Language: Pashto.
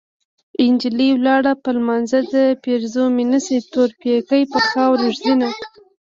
نجلۍ ولاړه په لمانځه ده پېرزو مې نشي تور پيکی په خاورو ږدينه